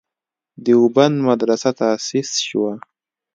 دیوبند مدرسه تاسیس شوه.